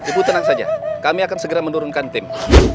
ibu tenang saja kami akan segera menurunkan tim